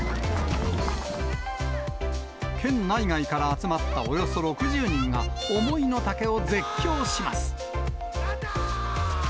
県内外から集まったおよそ６０人が、思いのたけを絶叫します。